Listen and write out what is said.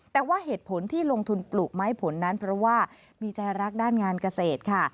แต่ว่าเหตุผลที่ลงทุนปลูกไม้ผลนั้นเพราะว่ามีใจรักด้านงานเกษตรค่ะ